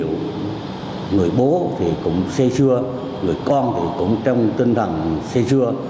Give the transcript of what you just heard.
bữa rượu người bố thì cũng xê xưa người con thì cũng trong tinh thần xê xưa